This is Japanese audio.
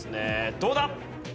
どうだ？